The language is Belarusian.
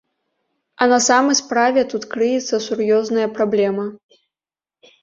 А на самай справе тут крыецца сур'ёзная праблема.